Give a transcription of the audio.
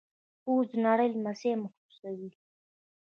پوست د نړۍ لمس محسوسوي.